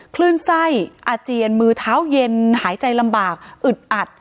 คลื่นไส้อาเจียนมือเท้าเย็นหายใจลำบากอึดอัด